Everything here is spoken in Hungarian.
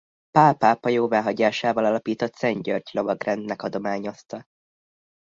Pál pápa jóváhagyásával alapított Szent György Lovagrendnek adományozta.